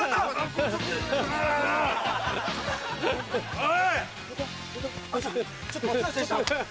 おい！